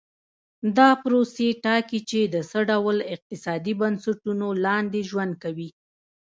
دا پروسې ټاکي چې د څه ډول اقتصادي بنسټونو لاندې ژوند کوي.